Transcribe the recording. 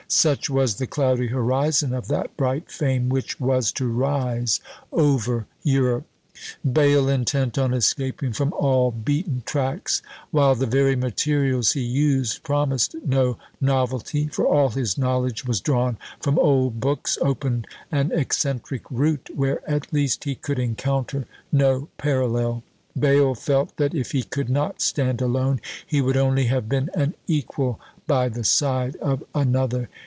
Such was the cloudy horizon of that bright fame which was to rise over Europe! Bayle, intent on escaping from all beaten tracks, while the very materials he used promised no novelty, for all his knowledge was drawn from old books, opened an eccentric route, where at least he could encounter no parallel; Bayle felt that if he could not stand alone, he would only have been an equal by the side of another.